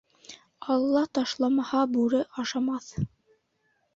Алла ташламаһа, бүре ашамаҫ.